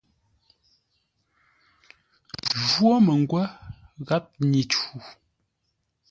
Jwó məngwə́ gháp nyi-cuu.